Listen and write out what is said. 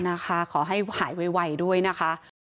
นะคะขอให้หายไวด้วยนะคะ